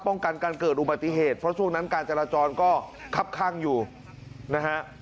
ป้องกันการเกิดอุบัติเหตุเพราะช่วงนั้นการจราจรก็คับข้างอยู่นะฮะ